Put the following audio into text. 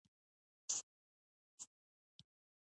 زه ژوبڼ ته روان یم.